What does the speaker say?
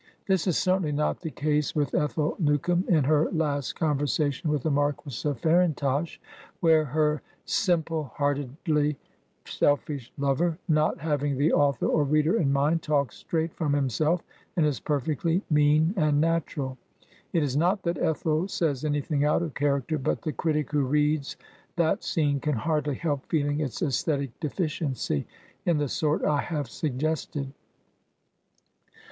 This is certainly not the case with Ethel New come in her last conversation with the Marquis of Far intosh, where her simple heartedly selfish lover, not having the author or reader in mind, talks straight from himself, and is perfectly mean and natural. It is not that Ethel says anything out of character; but the critic who reads that scene can hardly help feeling its Aesthetic deficiency, in the sort I have suggested.